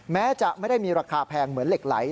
แม้จะไม่ได้มีราคาแพงเหมือนเหล็กไหล